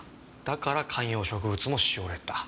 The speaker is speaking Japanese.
だから観葉植物もしおれた。